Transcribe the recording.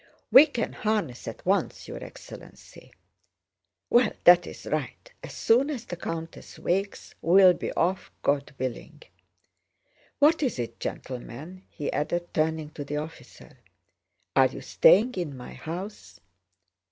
"We can harness at once, your excellency." "Well, that's right. As soon as the countess wakes we'll be off, God willing! What is it, gentlemen?" he added, turning to the officer. "Are you staying in my house?"